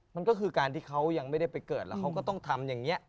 มันก็คือการที่เขายังไม่ได้ไปเกิดแล้วเขาก็ต้องทำอย่างนี้